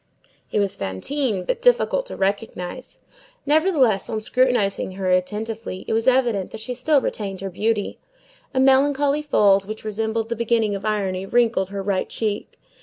It was Fantine, but difficult to recognize. Nevertheless, on scrutinizing her attentively, it was evident that she still retained her beauty. A melancholy fold, which resembled the beginning of irony, wrinkled her right cheek.